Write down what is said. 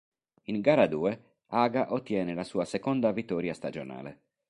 In gara due Haga ottiene la sua seconda vittoria stagionale.